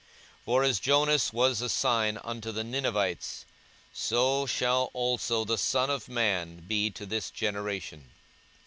42:011:030 For as Jonas was a sign unto the Ninevites, so shall also the Son of man be to this generation.